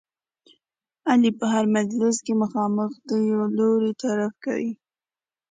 علي په هره مجلس کې خامخا د یوه لوري طرف کوي.